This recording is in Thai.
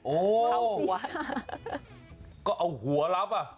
โอ้โหก็เอาหัวลับ